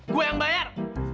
gua yang bayar